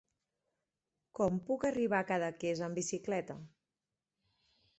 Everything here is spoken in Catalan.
Com puc arribar a Cadaqués amb bicicleta?